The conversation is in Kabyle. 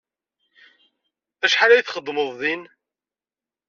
Acḥal ay txedmeḍ din?